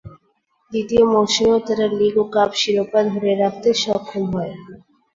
দ্বিতীয় মৌসুমেও তারা লীগ ও কাপ শিরোপা ধরে রাখতে সক্ষম হয়।